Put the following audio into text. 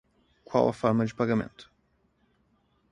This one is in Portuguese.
Qual a forma de pagamento.